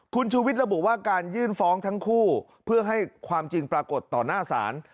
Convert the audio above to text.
คุณชูวิทย์ระบุว่าการยื่นฟ้องทั้งคู่เพื่อให้ความจริงปรากฏต่อหน้าศาล